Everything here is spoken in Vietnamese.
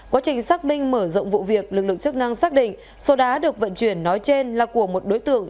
quá trình xác minh mở rộng vụ việc lực lượng chức năng xác định số đá được vận chuyển nói trên là của một đối tượng